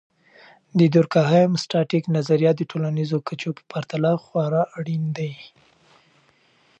د دورکهايم.static نظریات د ټولنیزو کچو په پرتله خورا اړین دي.